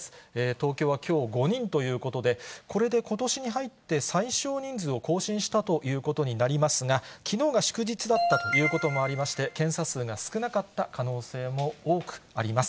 東京はきょう５人ということで、これでことしに入って最少人数を更新したということになりますが、きのうが祝日だったということもありまして、検査数が少なかった可能性も多くあります。